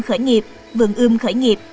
khởi nghiệp vườn ươm khởi nghiệp